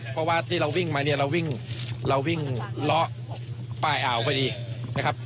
เพราะว่าที่เราวิ่งมาเนี่ยเราวิ่งล้อปลายอ่าวพอดีนะครับ